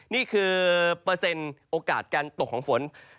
นี่คือเปอร์เซ็นต์โอกาสการตกของฝน